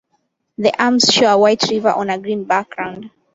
The arms show a white river on a green background.